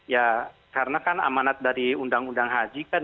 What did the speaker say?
ya karena kan amanat dari undang undang haji kan